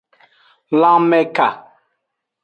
Lanmeka.